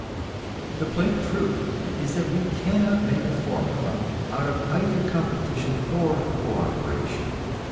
The plain truth is that we cannot make a formula out of either competition or co operation.